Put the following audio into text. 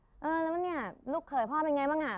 เออแล้วเนี่ยลูกเขยพ่อเป็นไงบ้างอ่ะ